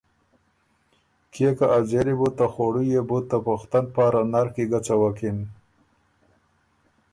کيې که ا ځېلی بُو ته خوړُو یېبُو ته پُختن پاره نر کی ګۀ څَوکِن